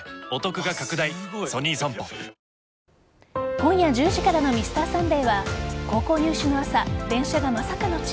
今夜１０時からの「Ｍｒ．サンデー」は高校入試の朝電車がまさかの遅延。